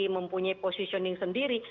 mempunyai positioning sendiri